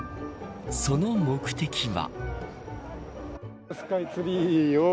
その目的は。